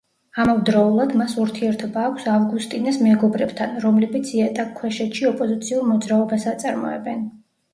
ამავდროულად, მას ურთიერთობა აქვს ავგუსტინეს მეგობრებთან, რომლებიც იატაკქვეშეთში ოპოზიციურ მოძრაობას აწარმოებენ.